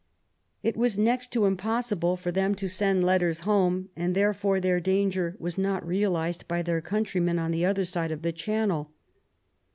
It was next to impossible for them to send letters home, and therefore their danger was not realized by their countrymen on the other side of the Channel.